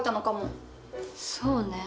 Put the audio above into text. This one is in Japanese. そうね。